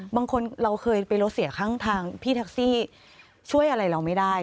บางคนเราเคยไปรถเสียข้างทางพี่แท็กซี่ช่วยอะไรเราไม่ได้